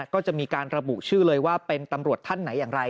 ก็จะมีการระบุชื่อเลยว่าเป็นตำรวจท่านไหนอย่างไร